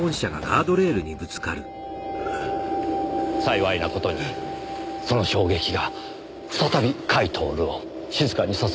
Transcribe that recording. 幸いな事にその衝撃が再び甲斐享を静かにさせました。